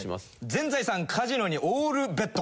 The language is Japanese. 全財産カジノにオールベット。